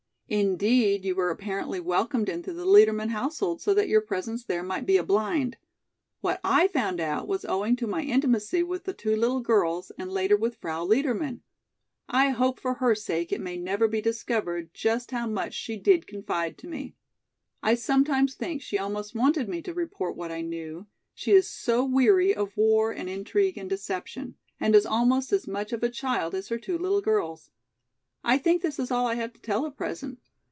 Indeed you were apparently welcomed into the Liedermann household so that your presence there might be a blind. What I found out was owing to my intimacy with the two little girls and later with Frau Liedermann. I hope for her sake it may never be discovered just how much she did confide to me. I sometimes think she almost wanted me to report what I knew, she is so weary of war and intrigue and deception, and is almost as much of a child as her two little girls. I think this is all I have to tell at present.